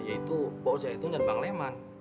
yaitu bawas zaitun dan bang leman